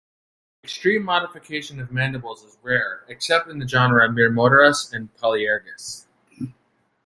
Extreme modification of mandibles is rare, except in the genera "Myrmoteras" and "Polyergus".